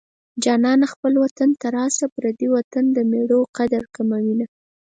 جانانه خپل وطن ته راشه پردی وطن د مېړو قدر کموينه